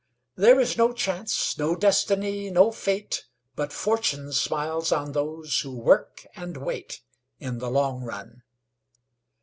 There is no Chance, no Destiny, no Fate, But Fortune smiles on those who work and wait, In the long run.